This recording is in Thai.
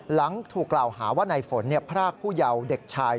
หลังถูกกล่าวหาว่าในฝนพรากผู้เยาว์เด็กชาย